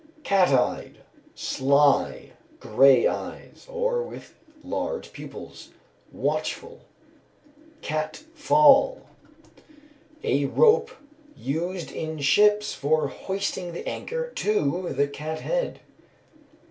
Cat eyed. Sly, gray eyes, or with large pupils, watchful. Cat fall. A rope used in ships for hoisting the anchor to the cat head.